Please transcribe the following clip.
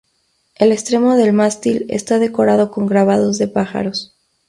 El extremo del mástil está decorado con grabados de pájaros.